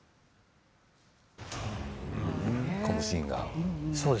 このシーンが。